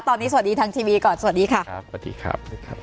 ตอนนี้สวัสดีทางทีวีก่อนสวัสดีค่ะ